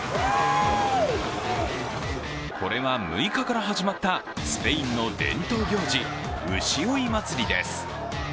これは、６日から始まったスペインの伝統行事、牛追い祭りです。